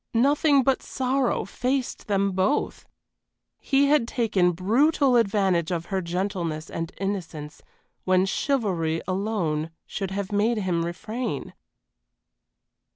Nothing but sorrow faced them both. He had taken brutal advantage of her gentleness and innocence when chivalry alone should have made him refrain.